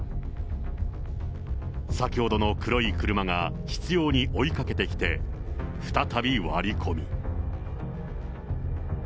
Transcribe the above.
先ほどの黒い車が執ように追いかけてきて、再び割り込み。